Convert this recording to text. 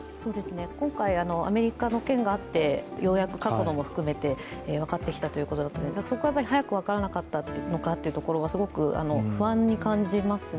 今回アメリカの件があって、ようやく過去のも含めて分かってきたということだったので、そこは早く分からなかったのかというところは不安に感じますね。